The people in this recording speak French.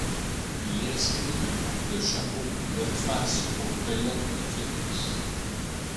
Il inscrit un coup du chapeau le face aux Coyotes de Phoenix.